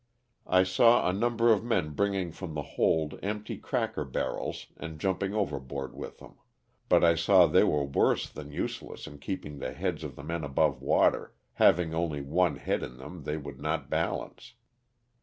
I saw a number of men bringing from the hold empty cracker barrels and jumping overboard with them, but I saw they were worse than useless in keeping the heads of the men above water, having only one head in them they would not balance.